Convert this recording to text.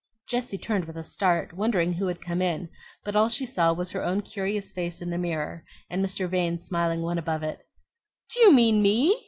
Jessie turned with a start, wondering who had come in; but all she saw was her own curious face in the mirror, and Mr. Vane's smiling one above it. "Do you mean me?"